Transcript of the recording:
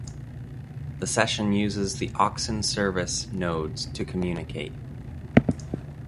The Session uses the Oxen service nodes to communicate.